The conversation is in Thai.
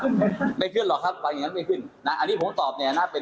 อย่างนี้ฟังไม่ขึ้นนะครับ